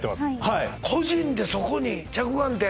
はい個人でそこに着眼点